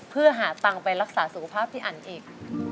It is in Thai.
เพื่อหาตังค์ไปรักษาสุขภาพพี่อันอีก